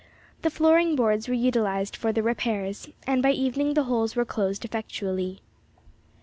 The flooring boards were utilised for the repairs, and by evening the holes were closed effectually.